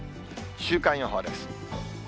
週間予報です。